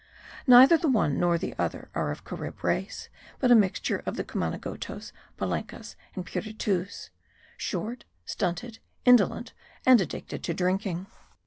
Neither the one nor the other are of Carib race, but a mixture of the Cumanagotos, Palenkas and Piritus; short, stunted, indolent and addicted to drinking.